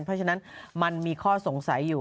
เพราะฉะนั้นมันมีข้อสงสัยอยู่